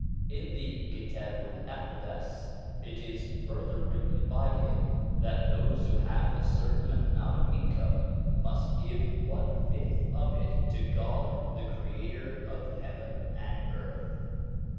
In the Kitab el Akdas it is further written by him that those who have a certain amount of income must give one fifth of it to God the creator of heaven and earth.